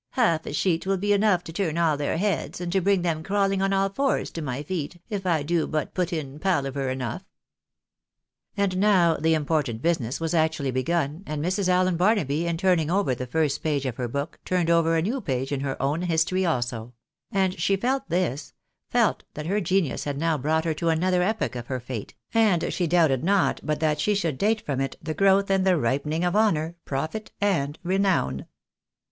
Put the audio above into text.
" Half a sheet will be enough to turn all their heads, and to bring them crawling on all fours to my feet, if I do but put in palaver enough." And now the imjDortant business was actually Ijegun, and Mrs. Allen Barnaby in turning over the first page of her book turned over a new page in her own history also ; and she felt this— felt that her genius had now brought her to another epoch of her fate, and she doubted not but that she should date from it the growth and the ripening of honour, profit, and renown.